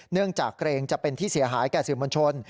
เนื่องจากเกรงจะเป็นที่เสียหายแก่สื่อมวลชน